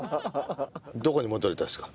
どこに戻りたいですか？